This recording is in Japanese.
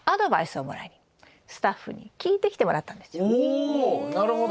おなるほど。